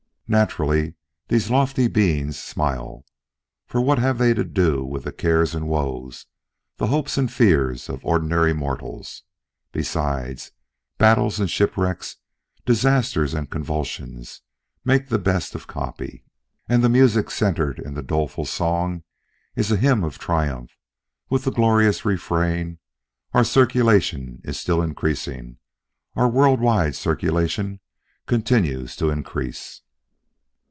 Naturally these lofty beings smile; for what have they to do with the cares and woes, the hopes and fears of ordinary mortals? Besides, battles and shipwrecks, disasters and convulsions, make the best of copy; and the music centred in the doleful song is a hymn of triumph, with the glorious refrain, "Our circulation is still increasing! Our world wide circulation continues to increase!"